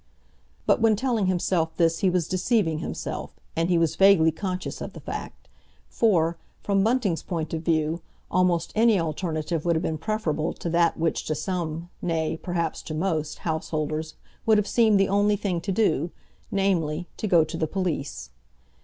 But when telling himself this he was deceiving himself, and he was vaguely conscious of the fact; for, from Bunting's point of view, almost any alternative would have been preferable to that which to some, nay, perhaps to most, householders would have seemed the only thing to do, namely, to go to the police.